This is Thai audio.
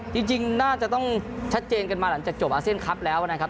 จริงน่าจะต้องชัดเจนกันมาหลังจากจบอาเซียนคลับแล้วนะครับ